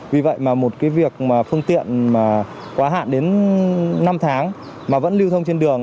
vì vậy một phương tiện quá hạn đến năm tháng mà vẫn lưu thông trên đường